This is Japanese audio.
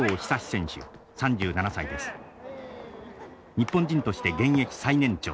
日本人として現役最年長。